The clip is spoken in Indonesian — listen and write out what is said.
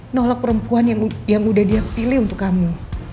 nolak perempuan yang udah dia pilih untuk kamu